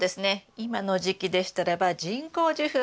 今の時期でしたらば人工授粉ができますね。